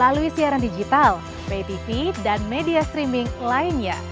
sampai jumpa di siaran digital ptv dan media streaming lainnya